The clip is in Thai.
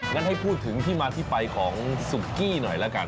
งั้นให้พูดถึงที่มาที่ไปของสุกี้หน่อยแล้วกัน